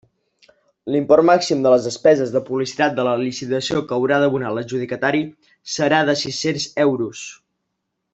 L'import màxim de les despeses de publicitat de la licitació que haurà d'abonar l'adjudicatari serà de sis-cents euros.